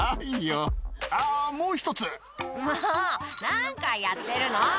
何回やってるの！」